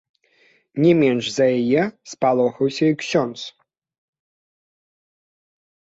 Не менш за яе спалохаўся і ксёндз.